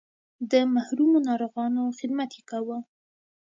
د محرومو ناروغانو خدمت یې کاوه.